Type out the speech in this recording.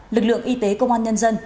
lực lượng y tế công an nhân dân